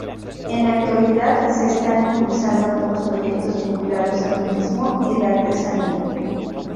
En la actualidad, se están impulsando algunos proyectos vinculados al turismo y la artesanía.